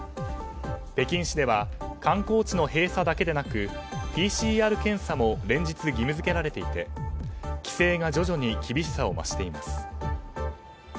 北京市では観光地の閉鎖だけでなくＰＣＲ検査も連日、義務付けられていて規制が徐々に厳しさを増しています。